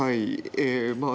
ええまあ